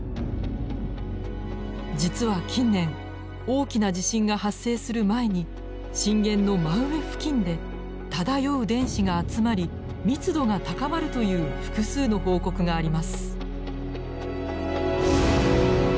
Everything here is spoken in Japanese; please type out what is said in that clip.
実は近年大きな地震が発生する前に震源の真上付近で漂う電子が集まり密度が高まるという複数の報告があります。